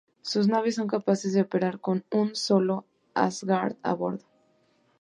Sus naves son capaces de operar con solo un Asgard a bordo.